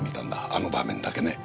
あの場面だけね。